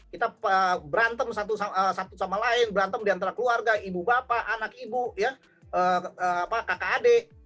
kita berantem satu sama lain berantem di antara keluarga ibu bapak anak ibu kakak adik